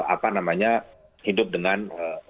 apa namanya hidup dengan